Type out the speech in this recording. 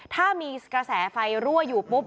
ถ้ามีกระแสไฟรั่วอยู่ปุ๊บ